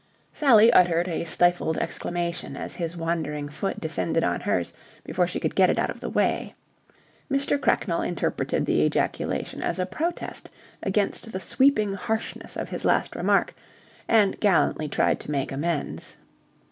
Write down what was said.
Sally uttered a stifled exclamation as his wandering foot descended on hers before she could get it out of the way. Mr. Cracknell interpreted the ejaculation as a protest against the sweeping harshness of his last remark, and gallantly tried to make amends.